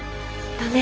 だね。